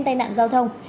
tai nạn giao thông